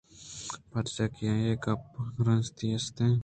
پرچاکہ آئی ءِ گپاں گرانسنگی ئے است